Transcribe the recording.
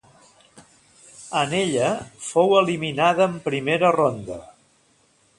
En ella fou eliminada en primera ronda.